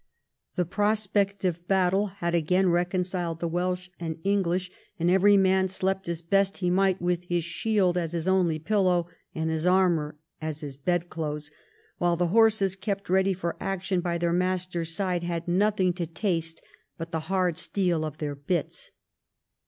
The prospect of battle had again recon ciled the Welsh and English, and every man slept as best he might with his shield as his only pillow and his armour as his bedclothes, while the horses, kept ready for action by their masters' sides, had nothing to taste but the hard steel of their bits.